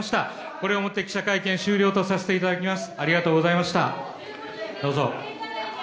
これをもって記者会見を終了させていただきます。